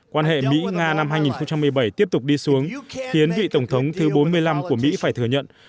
quan hệ mỹ nga năm hai nghìn một mươi bảy tiếp tục đi xuống khiến vị tổng thống thứ bốn mươi năm của mỹ phải thừa nhận